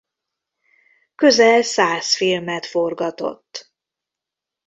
Közel száz filmet forgatott.